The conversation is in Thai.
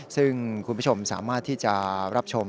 ซึ่งคุณผู้ชมสามารถที่จะรับชม